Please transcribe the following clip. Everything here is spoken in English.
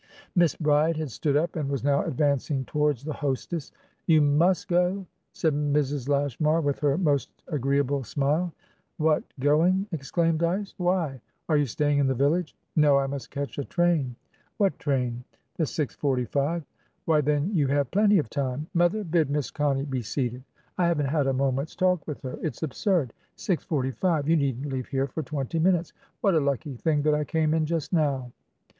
Miss Bride had stood up, and was now advancing towards the hostess. "You must go?" said Mrs. Lashmar, with her most agreeable smile. "What, going?" exclaimed Dyce. "Why? Are you staying in the village?" "No. I must catch a train." "What train?" "'The six forty five." "Why, then you have plenty of time! Mother, bid Miss Connie be seated; I haven't had a moment's talk with her; it's absurd. Six forty five? You needn't leave here for twenty minutes. What a lucky thing that I came in just now."